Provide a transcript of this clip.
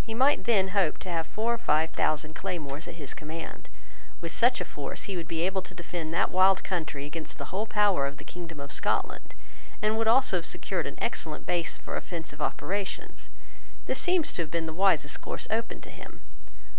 He might then hope to have four or five thousand claymores at his command. With such a force he would be able to defend that wild country against the whole power of the kingdom of Scotland, and would also have secured an excellent base for offensive operations. This seems to have been the wisest course open to him.